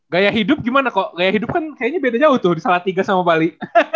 gaya hidup gimana ko gaya hidup kan kayaknya beda jauh tuh salah tiga sama bali